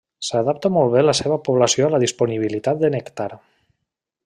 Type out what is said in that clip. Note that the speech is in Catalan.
S'adapta molt bé la seva població a la disponibilitat de nèctar.